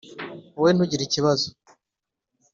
wowe ntugire ikibazo